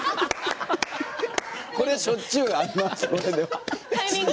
これ、しょっちゅうあります。